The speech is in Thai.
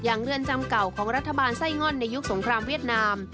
เรือนจำเก่าของรัฐบาลไส้ง่อนในยุคสงครามเวียดนาม